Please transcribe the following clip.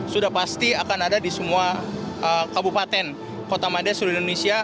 sudah pasti akan ada di semua kabupaten kota mandai seluruh indonesia